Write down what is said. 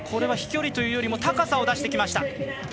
飛距離というよりも高さを出してきました。